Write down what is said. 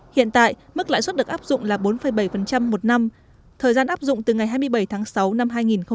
hiện tại mức lãi suất được áp dụng là bốn bảy một năm thời gian áp dụng từ ngày hai mươi bảy tháng sáu năm hai nghìn một mươi chín